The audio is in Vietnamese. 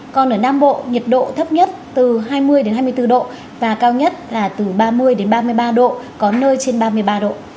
còn ở nam bộ nhiệt độ thấp nhất từ hai mươi hai mươi bốn độ và cao nhất là từ ba mươi ba mươi ba độ có nơi trên ba mươi ba độ